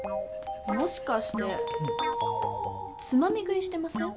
もしかしてつまみ食いしてません？